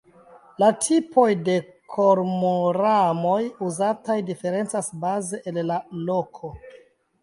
La tipoj de kormoranoj uzataj diferencas baze el la loko.